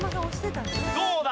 どうだ？